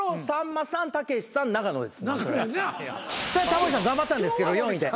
タモリさん頑張ったんですけど４位で。